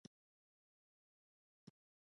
هغه څه ساتي چې ارزښت لري.